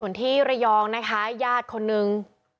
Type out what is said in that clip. ส่วนที่ระยองนะคะญาติคนนึง